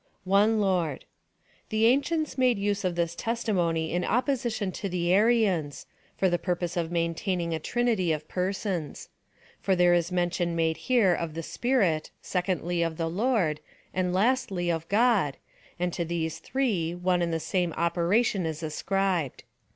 One Lord. The ancients made use of this testimony in opposition to the Arians, for the purpose of maintaining a Trinity of persons. For there is mention made here of the Spirit, secondly of the Lord, and lastly of God, and to these Three, one and the same operation is ascribed.